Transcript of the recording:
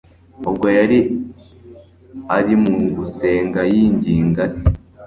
ubwo yari ari mu gusenga yinginga Se.